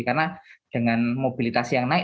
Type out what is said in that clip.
karena dengan mobilitasi yang naik